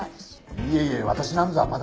いえいえ私なんぞはまだまだ。